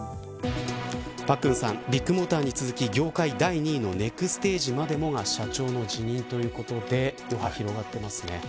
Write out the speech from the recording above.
パックンさんビッグモーターに続き業界第２位のネクステージまでもが社長の辞任ということで余波が広がっています。